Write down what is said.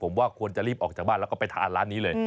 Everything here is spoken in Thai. ผมว่าควรจะรีบออกจากบ้านแล้วก็ไปทานร้านนี้เลย